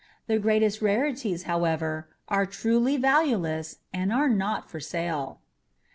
The greatest rarities, however, are truly valueless and are not for sale.